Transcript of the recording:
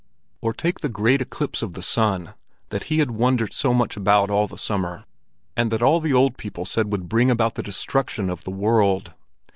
Or take the great eclipse of the sun, that he had wondered so much about all the summer, and that all the old people said would bring about the destruction of the world.